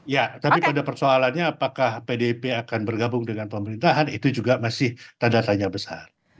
ya tapi pada persoalannya apakah pdip akan bergabung dengan pemerintahan itu juga masih tanda tanya besar